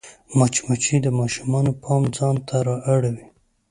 مچمچۍ د ماشومانو پام ځان ته رااړوي